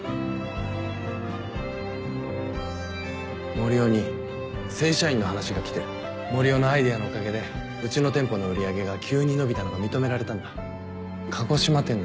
森生に正社員の話が来てる森生のアイデアのおかげでうちの店舗の売り上げが急に伸びたのが認められたんだ